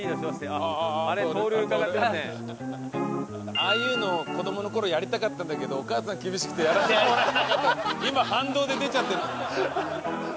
ああいうのを子供の頃やりたかったんだけどお母さんが厳しくてやらせてもらえなかった。